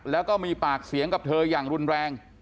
แล้วก็มีปากเสียงกับเธออย่างรุนแรง